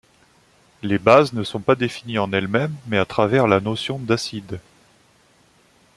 Les bases ne sont pas définies en elles-mêmes mais à travers la notion d'acide.